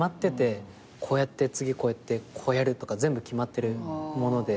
こうやって次こうやってこうやるとか全部決まってるもので。